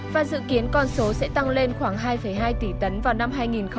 và dự kiến con số sẽ tăng lên khoảng hai hai tỷ tấn vào năm hai nghìn hai mươi